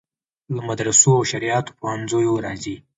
له مدرسو او شرعیاتو پوهنځیو راځي.